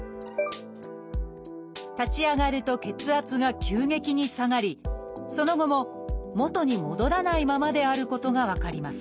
立ち上がると血圧が急激に下がりその後も元に戻らないままであることが分かります。